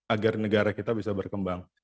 agar negara kita bisa berkembang